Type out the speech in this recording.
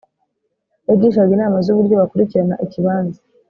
yagishaga inama z’uburyo bakurikirana ikibanza